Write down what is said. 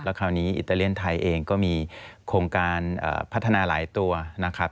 คราวนี้อิตาเลียนไทยเองก็มีโครงการพัฒนาหลายตัวนะครับ